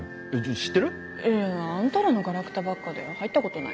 知ってる？あんたらのガラクタばっかで入ったことない。